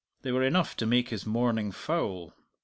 They were enough to make his morning foul.